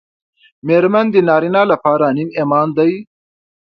مېرمن د نارینه لپاره نیم ایمان دی